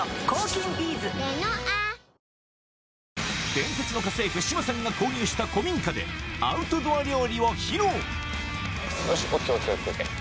伝説の家政婦志麻さんが購入した古民家でアウトドア料理を披露よしＯＫＯＫ。